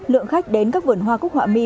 lượng khách đến các vườn hoa cúc họa mi